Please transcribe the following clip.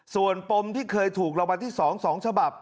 ส่วนปมที่เคยถูกรางวัลที่๒๒ฉบับ